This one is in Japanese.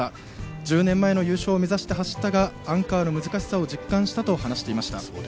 １０年前の優勝を目指して走ったが、アンカーの難しさを実感したと話していました。